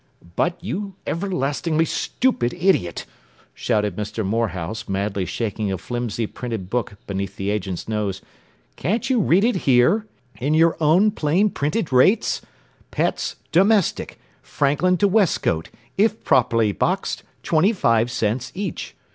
” “But, you everlastingly stupid idiot!” shouted Mr. Morehouse, madly shaking a flimsy printed book beneath the agent's nose, “can't you read it here in your own plain printed rates? 'Pets, domestic, Franklin to Westcote, if properly boxed, twenty five cents each.'